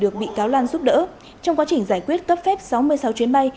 cáo lan giúp đỡ trong quá trình giải quyết cấp phép sáu mươi sáu chuyến bay